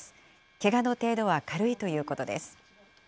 けがの程度は軽いということです。